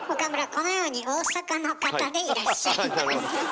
このように大阪の方でいらっしゃいます。